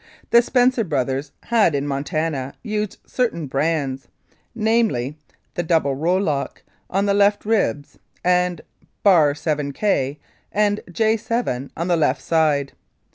The Spencer Brothers had in Montana used certain brands, namely, V (double rowlock) on the left ribs, and ;K (bar seven K) and J7 on the left side.